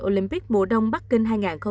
olympic mùa đông bắc kinh hai nghìn hai mươi